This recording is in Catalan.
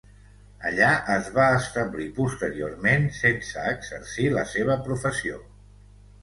Allà es va establir posteriorment sense exercir la seva professió.